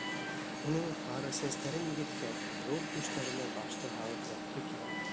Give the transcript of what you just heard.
Уның һары сәстәрен еҫкәп, ҙур түштәренә башты һалып ятҡы килә.